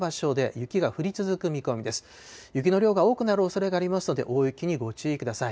雪の量が多くなるおそれがありますので、大雪にご注意ください。